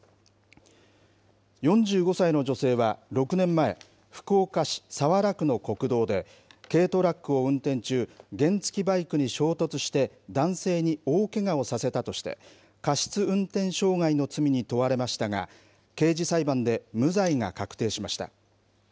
４５歳の女性は６年前、福岡市早良区の国道で、軽トラックを運転中、原付きバイクに衝突して、男性に大けがをさせたとして、過失運転傷害の罪に問われましたが、刑事裁判で無罪が確定しました。